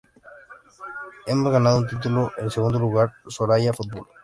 Hemos ganado un título, el segundo lugar Soraya Fútbol.